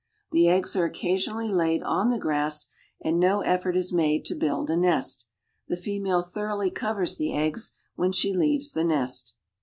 The eggs are occasionally laid on the grass, and no effort is made to build a nest. The female thoroughly covers the eggs when she leaves the nest.